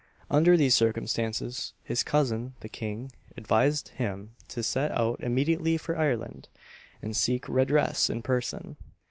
Under these circumstances, his cousin, the king, advised him to set out immediately for Ireland, and seek redress in person.